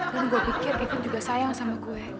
dan gua pikir kevin juga sayang sama gue